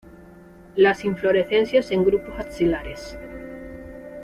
Las inflorescencias en grupos axilares.